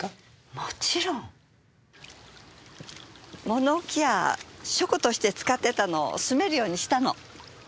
物置や書庫として使ってたのを住めるようにしたの。